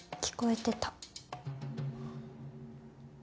聞こえてた。